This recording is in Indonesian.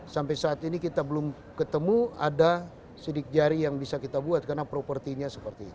sampai saat ini kita belum ketemu ada sidik jari yang bisa kita buat karena propertinya seperti itu